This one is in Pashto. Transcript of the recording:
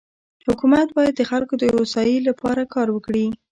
حکومت بايد د خلکو دهوسايي لپاره کار وکړي.